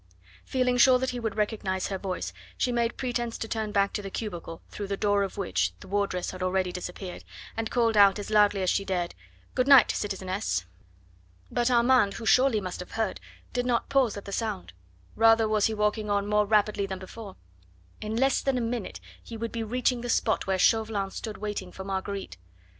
Feeling sure that he would recognise her voice, she made pretence to turn back to the cubicle through the door of which the wardress had already disappeared, and called out as loudly as she dared: "Good night, citizeness!" But Armand who surely must have heard did not pause at the sound. Rather was he walking on now more rapidly than before. In less than a minute he would be reaching the spot where Chauvelin stood waiting for Marguerite.